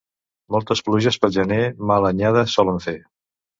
Moltes pluges pel gener, mala anyada solen fer.